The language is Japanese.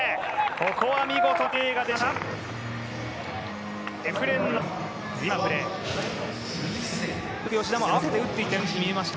ここは見事なプレーが出ました。